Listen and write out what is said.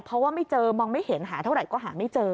เพราะว่าไม่เจอมองไม่เห็นหาเท่าไหร่ก็หาไม่เจอ